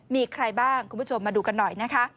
มีใครบ้างคุณผู้ชมมาดูกันหน่อยนะคะ